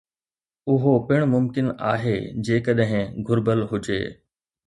اهو پڻ ممڪن آهي جيڪڏهن گهربل هجي